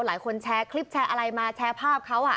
หลายคนแชร์คลิปแชร์อะไรมาแชร์ภาพเขา